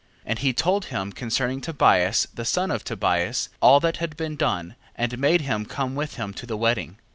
9:7. And he told him concerning Tobias the son of Tobias, all that had been done: and made him come with him to the wedding.